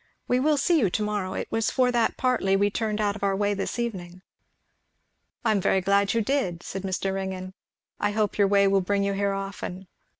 We will see you to morrow. It was for that partly we turned out of our way this evening." "I am very glad you did," said Mr. Ringgan. "I hope your way will bring you here often.